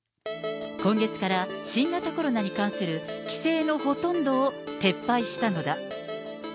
今月から新型コロナに関する規制のほとんどを撤廃したのだ。